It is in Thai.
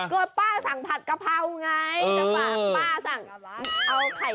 ก็ป้าสั่งผัดกระเภ้าไง